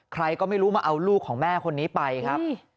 ใครก็ไม่รู้มาเอาลูกของแม่คนนี้ไปครับ